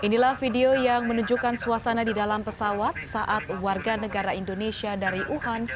inilah video yang menunjukkan suasana di dalam pesawat saat warga negara indonesia dari wuhan